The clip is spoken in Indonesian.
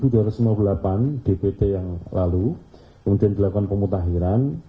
dari empat ratus empat puluh tujuh dua ratus lima puluh delapan dpt yang lalu kemudian dilakukan pemutakhiran